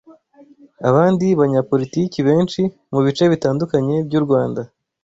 abandi banyapolitiki benshi mu bice bitandukanye by’u Rwanda